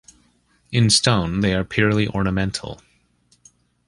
In stone they are purely ornamental.